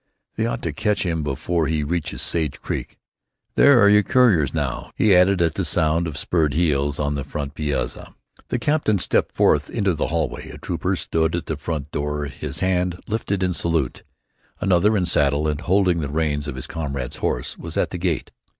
They ought to catch him before he reaches Sage Creek. There are your couriers now," he added, at the sound of spurred heels on the front piazza. The captain stepped forth into the hallway. A trooper stood at the front door, his hand lifted in salute. Another, in saddle, and holding the reins of his comrade's horse, was at the gate.